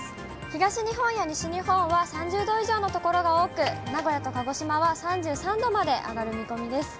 東日本や西日本は３０度以上の所が多く、名古屋と鹿児島は３３度まで上がる見込みです。